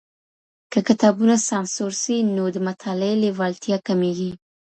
که کتابونه سانسور سي نو د مطالعې لېوالتيا کمېږي.